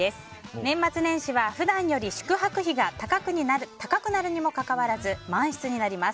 年末年始は普段より宿泊費が高くなるにもかかわらず満室になります。